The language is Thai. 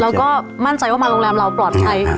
เราก็มั่นใจว่ามาโรงแรมเราปลอดภัย